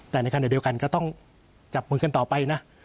แต่ในขณะเดียวกันก็ต้องจับมือกันต่อไปนะ